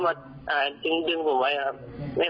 อยู่ก่อนจังหวะผมจะเดินออกมือเข้ามา